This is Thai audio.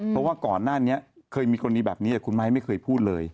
เพราะว่าก่อนหน้านี้เคยมีกรณีแบบนี้คุณไม้ไม่เคยพูดเลย